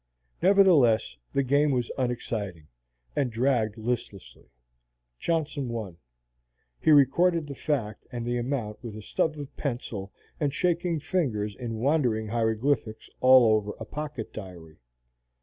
Nevertheless, the game was unexciting, and dragged listlessly. Johnson won. He recorded the fact and the amount with a stub of pencil and shaking fingers in wandering hieroglyphics all over a pocket diary.